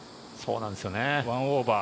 １オーバー。